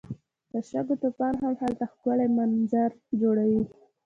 د شګو طوفان هم هلته ښکلی منظر جوړوي.